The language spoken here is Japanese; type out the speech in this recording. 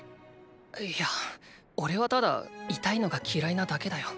いやおれはただ痛いのが嫌いなだけだよ。